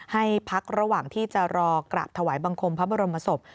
ให้พักระหว่างที่จะรอกราบถวายบังคมพระบรมศพ